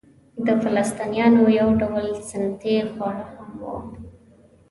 د فلسطنیانو یو ډول سنتي خواړه هم وو.